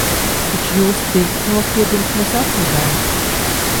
Taču jūsu pirkstu nospiedumus mēs atradām.